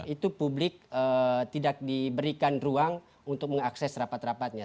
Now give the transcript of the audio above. itu publik tidak diberikan ruang untuk mengakses rapat rapatnya